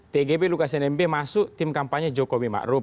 tgb lukas nmb masuk tim kampanye jokowi maruf